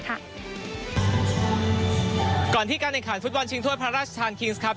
ก่อนที่การเอกหารฟุตบอลชิงทวดพระราชทางคิงส์ครับ